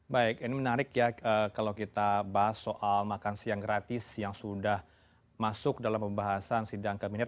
baik ini menarik ya kalau kita bahas soal makan siang gratis yang sudah masuk dalam pembahasan sidang kabinet